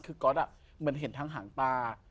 คือก๊อตเหมือนเห็นทางหางตา